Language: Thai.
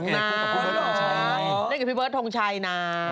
เล่นกับพี่เบิร์ดทงชัยนะ